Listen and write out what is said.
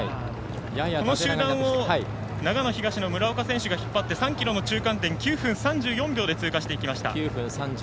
この集団を長野東の村岡選手が引っ張って、３ｋｍの中間点９分３４秒で通過しました。